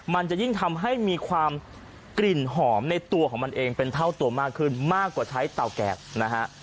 มันจะยิ่งทำให้มีความกลิ่นหอมในตัวของมันเองเป็นเท่าตัวมากขึ้นมากกว่าใช้เต่าแกบนะฮะ